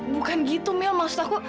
bukan gitu mel maksud aku